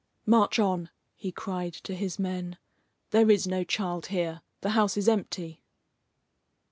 "March on!" he cried to his men, "there is no child here. The house is empty."